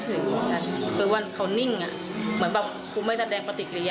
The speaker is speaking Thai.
เราก็บอกว่าแม่และปลารับค้าบนตำรวจเลย